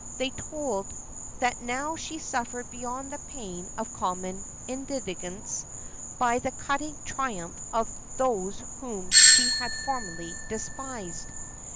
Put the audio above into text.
They told, "that now she suffered beyond the pain of common indigence by the cutting triumph of those whom she had formerly despised."